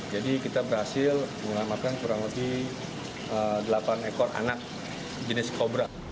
kita berhasil menyelamatkan kurang lebih delapan ekor anak jenis kobra